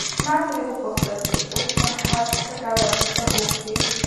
ما ترې وپوښتل چې اوسمهال ته څه کوې او په څه بوخت یې.